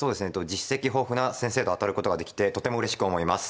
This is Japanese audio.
実績豊富な先生と当たることができてとてもうれしく思います。